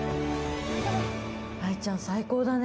愛ちゃん、最高だね。